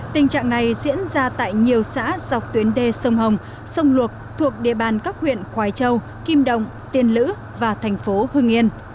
tình trạng này diễn ra tại nhiều xã dọc tuyến đê sông hồng sông luộc thuộc địa bàn các huyện khói châu kim động tiên lữ và thành phố hưng yên